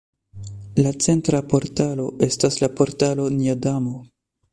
La centra portalo estas la Portalo Nia Damo.